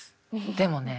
でもね